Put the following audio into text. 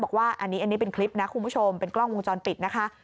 บอกว่าอันนี้เป็นคลิปนะคุณผู้ชมเป็นกล้องวงจรปิดนะคะ